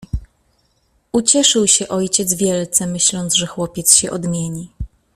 "Ucieszył się ojciec wielce, myśląc, że chłopiec się odmieni."